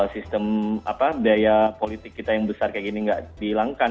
sistem apa biaya politik kita yang besar kayak gini gak dihilangkan